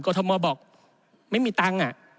กอทมบอกไม่มีตังค์อะ